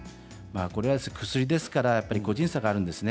これは薬なので個人差があるんですね。